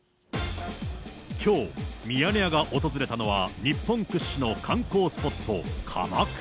きょう、ミヤネ屋が訪れたのは日本屈指の観光スポット、鎌倉。